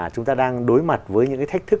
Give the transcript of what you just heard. chúng ta đang đối mặt với những cái thách thức